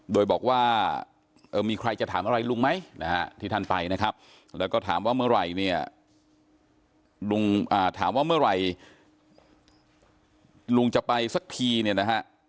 โดยบอกว่ามีใครจะถามอะไรลุงไหมที่ท่านไปนะครับแล้วก็ถามว่าเมื่อไหร่ลุงจะไปสักทีเนี่ยนะฮะ